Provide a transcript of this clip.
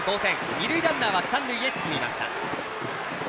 二塁ランナーは三塁へ進みました。